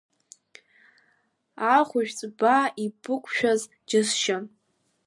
Ахәыжәҵә ба ибықәшәаз џьысшьон!